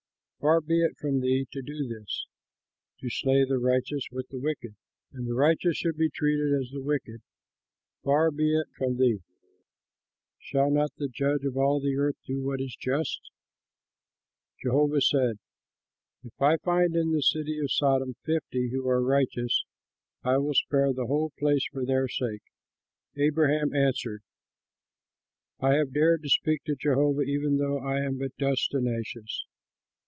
Far be it from thee to do this: to slay the righteous with the wicked! And that the righteous should be treated as the wicked, far be it from thee! Shall not the Judge of all the earth do what is just?" Jehovah said, "If I find in the city of Sodom fifty who are righteous, I will spare the whole place for their sake." Abraham answered, "I have dared to speak to Jehovah, even though I am but dust and ashes.